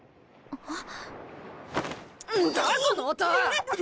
あっ。